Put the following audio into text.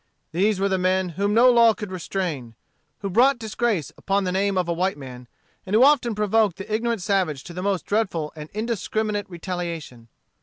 These were the men whom no law could restrain; who brought disgrace upon the name of a white man, and who often provoked the ignorant savage to the most dreadful and indiscriminate retaliation.